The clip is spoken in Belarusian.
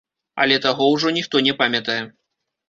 Але таго ўжо ніхто не памятае.